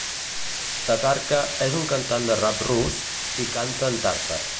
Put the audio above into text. Tatarka és un cantant de rap rus, i canta en tàtar.